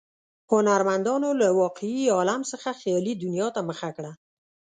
هنرمندانو له واقعي عالم څخه خیالي دنیا ته مخه کړه.